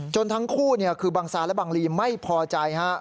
ทั้งคู่คือบังซาและบังลีไม่พอใจ